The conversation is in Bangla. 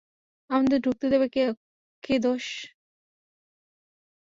আমাদের ঢুকতে দেবে কে দোস?